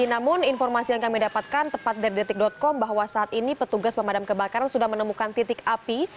namun informasi yang kami dapatkan tepat dari detik com bahwa saat ini petugas pemadam kebakaran sudah menemukan titik api